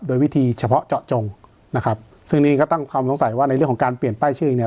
โดยวิธีเฉพาะเจาะจงนะครับซึ่งนี่ก็ตั้งความสงสัยว่าในเรื่องของการเปลี่ยนป้ายชื่อเนี่ย